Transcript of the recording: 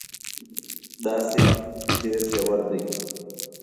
دا سیند ډېر ژور دی.